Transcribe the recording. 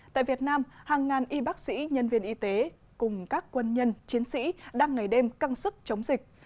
tại việt nam hàng ngàn y bác sĩ nhân viên y tế cùng các quân nhân chiến sĩ đang ngày đêm căng sức chống dịch